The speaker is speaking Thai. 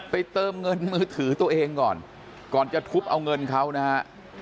เติมเงินมือถือตัวเองก่อนก่อนจะทุบเอาเงินเขานะฮะ